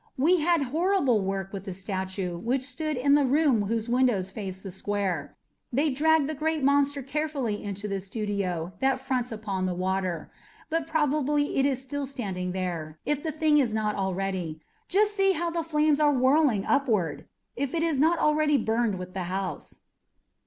We had horrible work with the statue which stood in the room whose windows faced the square. They dragged the great monster carefully into the studio that fronts upon the water. But probably it is still standing there, if the thing is not already just see how the flames are whirling upward! if it is not already burned with the house."